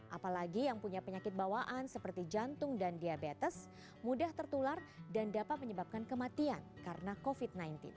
apalagi yang punya penyakit bawaan seperti jantung dan diabetes mudah tertular dan dapat menyebabkan kematian karena covid sembilan belas